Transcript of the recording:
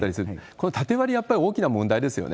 この縦割り、やっぱり大きな問題ですよね。